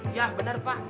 iya benar pak